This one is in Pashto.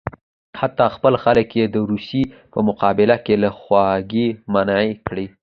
حتی خپل خلک یې د روسیې په مقابل کې له خواخوږۍ منع کړي.